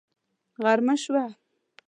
غرمه شوه